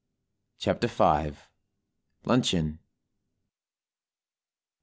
CHAPTER V. LUNCHEON.